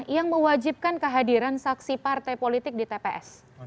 yang mewajibkan kehadiran saksi partai politik di tps